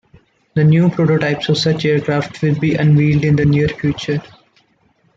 The new prototypes of such aircraft will be unveiled in the near future.